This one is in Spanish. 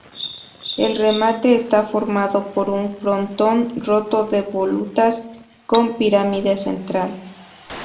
El remate está formado por un frontón roto de volutas con pirámide central.